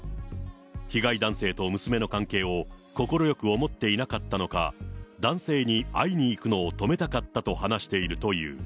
被害男性と娘の関係を快く思っていなかったのか、男性に会いに行くのを止めたかったと話しているという。